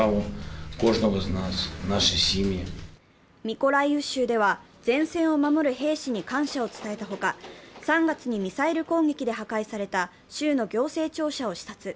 ミコライウ州では前線を守る兵士に感謝を伝えたほか、３月にミサイル攻撃で破壊された州の行政庁舎を視察。